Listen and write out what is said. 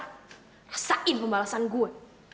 rasain pembalasan gue